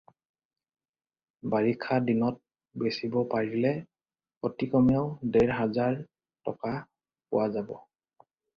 বাৰিষা দিনত বেচিব পাৰিলে অতিকমেও ডেৰ হাজাৰ টকা পোৱা যাব।